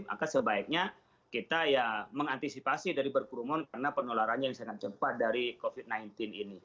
maka sebaiknya kita ya mengantisipasi dari berkerumun karena penularannya yang sangat cepat dari covid sembilan belas ini